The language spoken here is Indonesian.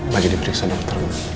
bagi diberi kesan pak